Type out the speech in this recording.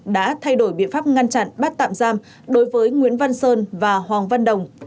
đã thay đổi biện pháp ngăn chặn bắt tạm giam đối với nguyễn văn sơn và hoàng văn đồng